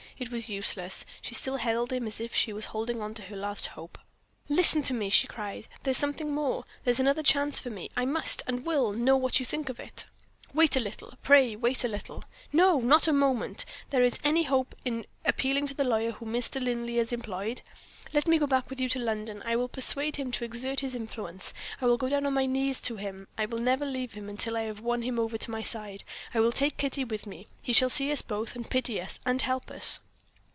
It was useless, she still held him as if she was holding to her last hope. "Listen to me!" she cried. "There's something more; there's another chance for me. I must, and will, know what you think of it." "Wait a little. Pray wait a little!" "No! not a moment. Is there any hope in appealing to the lawyer whom Mr. Linley has employed? Let me go back with you to London. I will persuade him to exert his influence I will go down on my knees to him I will never leave him till I have won him over to my side I will take Kitty with me; he shall see us both, and pity us, and help us!"